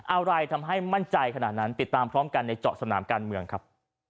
อะไรทำให้มั่นใจขนาดนั้นติดตามพร้อมกันในเจาะสนามการเมืองครับ